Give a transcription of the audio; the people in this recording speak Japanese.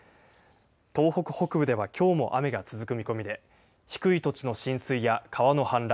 東北北部ではきょうも雨が続く見込みで低い土地の浸水や川の氾濫